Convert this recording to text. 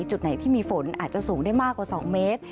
จุดไหนที่มีฝนอาจจะสูงได้มากกว่า๒เมตร